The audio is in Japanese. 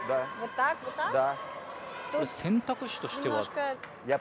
選択肢としては。